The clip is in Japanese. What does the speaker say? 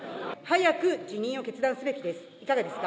早く辞任を決断すべきです。